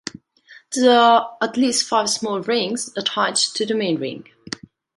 There are at least five smaller rings attached to the main ring.